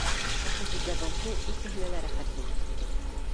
Ошо һүҙҙәрҙән һуң икеһенә лә рәхәт булып китте